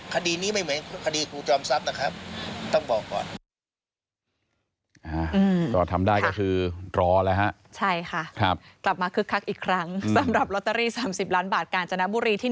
คดีนี้ไม่เหมือนคดีครูจอมทรัพย์นะครับต้องบอกก่อน